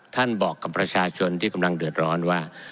บอกกับประชาชนที่กำลังเดือดร้อนว่า